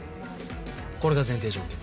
これが前提条件。